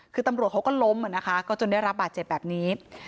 คือตำรวจเขาก็ล้มอ่ะนะคะก็จนได้รับบาดเจ็บแบบนี้